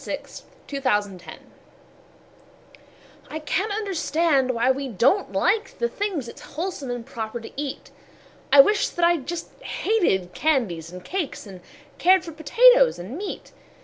Edgar Fawcett A Sad Case I CAN'T understand why we don't like the things It's wholesome and proper to eat; I wish that I just hated candies and cakes, And cared for potatoes and meat.